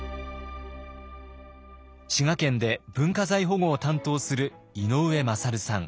滋賀県で文化財保護を担当する井上優さん。